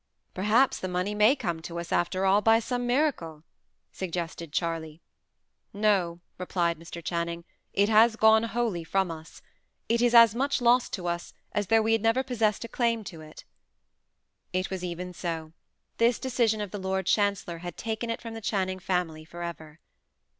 "Perhaps the money may come to us, after all, by some miracle," suggested Charley. "No," replied Mr. Channing. "It has wholly gone from us. It is as much lost to us as though we had never possessed a claim to it." It was even so. This decision of the Lord Chancellor had taken it from the Channing family for ever.